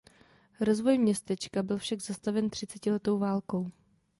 Rozvoj městečka byl však zastaven třicetiletou válkou.